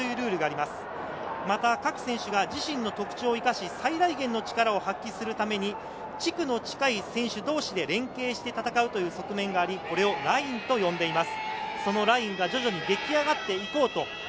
また各選手が自身の特長を生かし最大限の力を発揮するために地区の近い選手同士で連係をして戦うという側面があり、これをラインと呼んでいます。